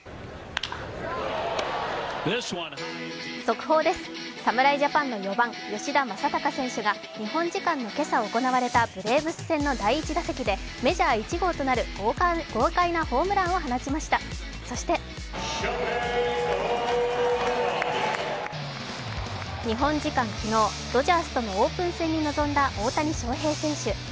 速報です、侍ジャパンの４番・吉田正尚選手が日本時間の今朝行われたブレーブス戦の第１打席でメジャー１号となる豪快なホームランを放ちました、そして、日本時間昨日、ドジャースとのオープン戦に臨んだ大谷選手。